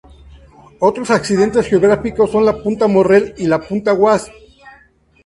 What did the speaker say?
Otros accidentes geográficos son la punta Morrell y la punta Wasp.